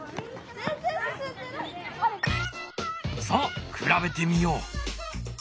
さあ比べてみよう！